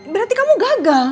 berarti kamu gagal